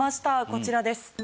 こちらです。